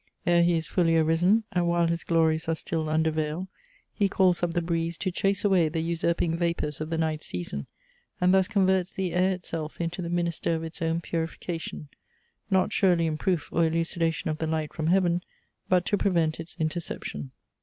Ere he is fully arisen, and while his glories are still under veil, he calls up the breeze to chase away the usurping vapours of the night season, and thus converts the air itself into the minister of its own purification: not surely in proof or elucidation of the light from heaven, but to prevent its interception."